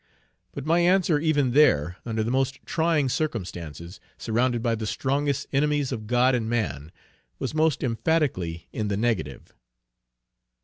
But my answer even there, under the most trying circumstances, surrounded by the strongest enemies of God and man, was most emphatically in the negative.